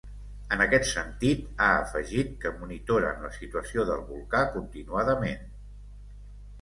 En aquest sentit, ha afegit que monitoren la situació del volcà continuadament.